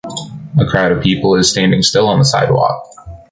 A crowd of people is standing still on the sidewalk.